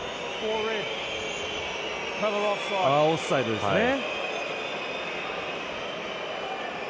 オフサイドですね。